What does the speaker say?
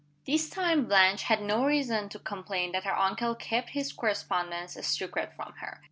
This time Blanche had no reason to complain that her uncle kept his correspondence a secret from her.